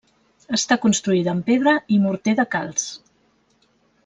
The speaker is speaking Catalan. Està construïda amb pedra i morter de calç.